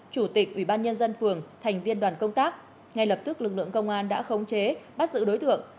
chủ tịch ubnd phường thành viên đoàn công tác ngay lập tức lực lượng công an đã khống chế bắt giữ đối tượng